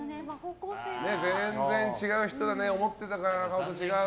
全然違う人だね。思ってた顔と違う。